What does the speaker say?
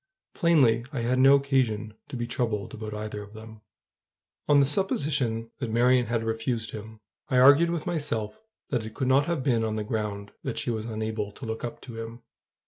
Plainly, I had no occasion to be troubled about either of them. On the supposition that Marion had refused him, I argued with myself that it could not have been on the ground that she was unable to look up to him.